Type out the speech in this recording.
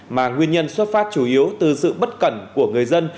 mà nguyên nhân xuất phát chủ yếu từ sự bất cẩn của người dân